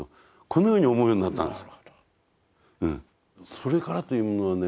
それからというものはね